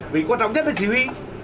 vì quan trọng nhất là chỉ huy